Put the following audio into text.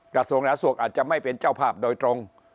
กระทรวงหนาสุขอาจจะไม่เป็นเจ้าภาพโดยตรง